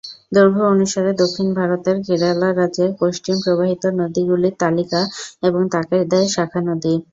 দৈর্ঘ্য অনুসারে দক্ষিণ ভারতের কেরালা রাজ্যের পশ্চিম-প্রবাহিত নদীগুলির তালিকা এবং তাদের শাখা নদী।